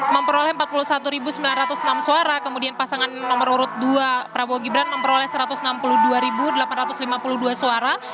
memperoleh empat puluh satu sembilan ratus enam suara kemudian pasangan nomor urut dua prabowo gibran memperoleh satu ratus enam puluh dua delapan ratus lima puluh dua suara